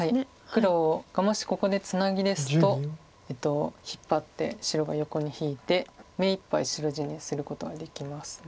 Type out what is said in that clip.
黒がもしここでツナギですと引っ張って白が横に引いて目いっぱい白地にすることができます。